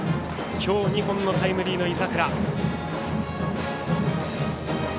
今日２本のタイムリーの井櫻。